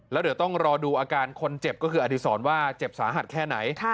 แล้วเดี๋ยวต้องรอดูอาการคนเจ็บก็คืออดีศรว่าเจ็บสาหัสแค่ไหน